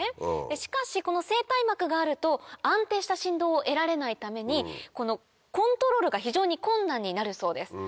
しかしこの声帯膜があると安定した振動を得られないためにコントロールが非常に困難になるそうです。